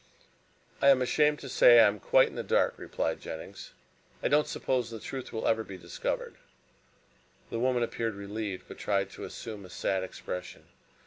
"I am ashamed to say I am quite in the dark," replied Jennings. "I don't suppose the truth will ever be discovered." The woman appeared relieved, but tried to assume a sad expression.